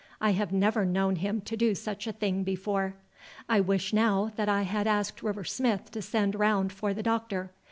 I have never known him do such a thing before. I wish now that I had asked River Smith to send round for the doctor.